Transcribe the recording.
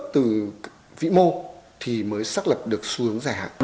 từ vĩ mô thì mới xác lập được xu hướng dài hạn